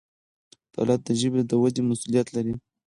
دولت د ژبې د ودې مسؤلیت لري.